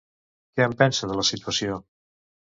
Què en pensa de la situació?